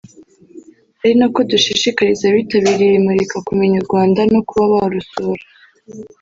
ari nako dushishikariza abitabiriye iri murika kumenya u Rwanda no kuba barusura